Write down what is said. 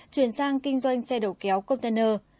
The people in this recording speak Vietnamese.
chuyển sang kinh doanh xe đầu kéo container